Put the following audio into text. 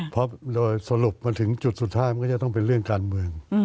เพราะโดยสรุปมาถึงจุดสุดท้ายมันก็จะต้องเป็นเรื่องการเมือง